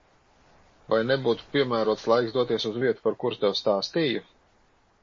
Vai nebūtu piemērots laiks doties uz vietu, par kuru tev stāstīju?